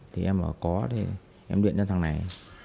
thì em bảo có em điện cho thằng này